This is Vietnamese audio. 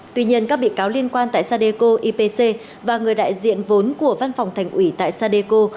tuy nhiên các bị cáo liên quan tại sadeco ipc và người đại diện vốn của văn phòng thành ủy tại sadeco